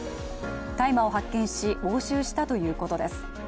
大麻を発見し押収したということです。